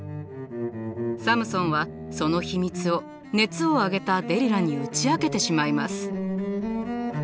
サムソンはその秘密を熱を上げたデリラに打ち明けてしまいます。